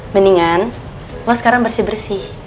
mendingan lo sekarang bersih bersih